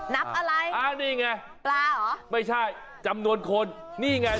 นับอะไรอ่านี่ไงปลาเหรอไม่ใช่จำนวนคนนี่ไง